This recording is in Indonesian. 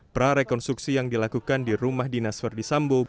prarekonstruksi yang dilakukan di rumah dinas verdi sambo